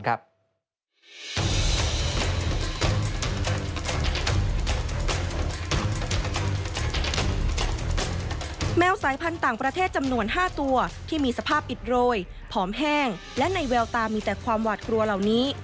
แมวสายพันธุ์ต่างประเทศจำนวน๕ตัวที่มีสภาพอิดโรยผอมแห้งและในแววตามีแต่ความหวาดกลัวเหล่านี้